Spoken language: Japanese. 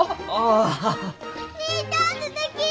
にいちゃんすてき！